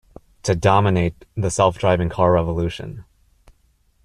To dominate the self-driving car revolution.